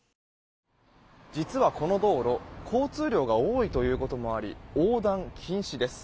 実はこの道路交通量が多いということもあり横断禁止です。